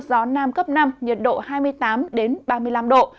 gió nam cấp năm nhiệt độ hai mươi tám ba mươi năm độ